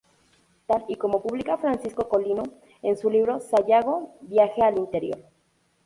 Tal y como publica Francisco Colino en su libro "Sayago, viaje al Interior.